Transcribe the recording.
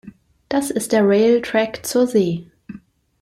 Das ist Railtrack zur See!